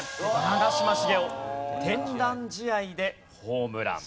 長嶋茂雄天覧試合でホームラン。